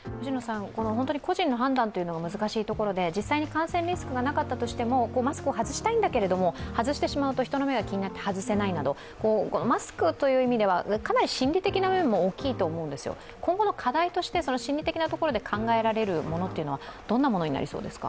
個人の判断というのが難しいところで、実際に感染リスクがなかったとしても、マスクを外したいんだけど外してしまうと人の目が気になって外せないなど、マスクという意味ではかなり心理的な面も多いと思うんですよ、今後の課題として心理的なもので考えられるものはどんなものがありますか？